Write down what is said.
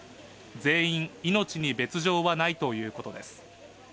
全員、命に別条はないということです。